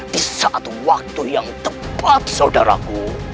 di saat waktu yang tepat saudaraku